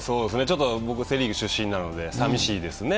僕セ・リーグ出身なんで、さみしいですね。